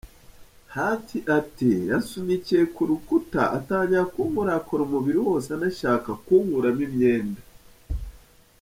Harth ati” Yansunikiye ku rukuta, atangira kunkorakora umubiri wose anashaka kunkuramo imyenda.